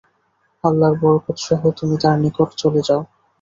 আল্লাহর বরকত সহ তুমি তার নিকট চলে যাও।